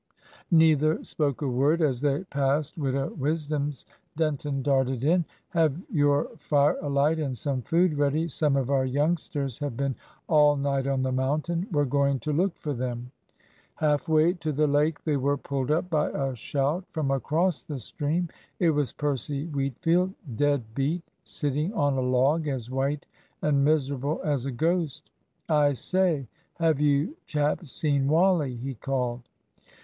Neither spoke a word. As they passed Widow Wisdom's, Denton darted in. "Have your fire alight and some food ready. Some of our youngsters have been all night on the mountain. We're going to look for them." Half way to the lake, they were pulled up by a shout from across the stream. It was Percy Wheatfield, dead beat, sitting on a log, as white and miserable as a ghost. "I say, have you chaps seen Wally?" he called.